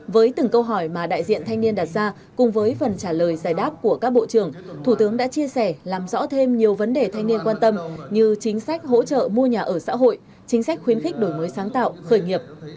với từng câu hỏi mà đại diện thanh niên đặt ra cùng với phần trả lời giải đáp của các bộ trưởng thủ tướng đã chia sẻ làm rõ thêm nhiều vấn đề thanh niên quan tâm như chính sách hỗ trợ mua nhà ở xã hội chính sách khuyến khích đổi mới sáng tạo khởi nghiệp